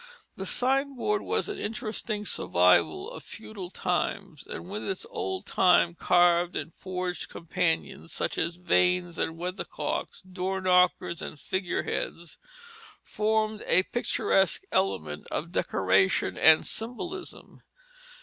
The sign board was an interesting survival of feudal times, and with its old time carved and forged companions, such as vanes and weathercocks, doorknockers and figureheads, formed a picturesque element of decoration and symbolism.